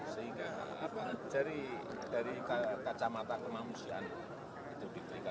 sehingga dari kacamata kemanusiaan itu diberikan